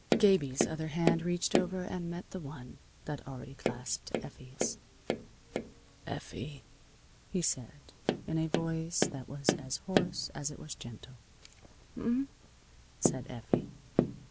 Gabie's other hand reached over and met the one that already clasped Effie's. "Effie," he said, in a voice that was as hoarse as it was gentle. "H'm?" said Effie.